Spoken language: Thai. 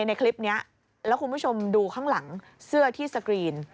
ในคลิปนี้แล้วคุณผู้ชมดูข้างหลังเสื้อที่สกรีน